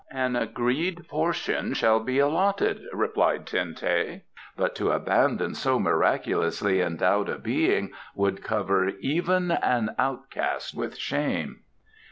"An agreed portion shall be allotted," replied Ten teh, "but to abandon so miraculously endowed a being would cover even an outcast with shame."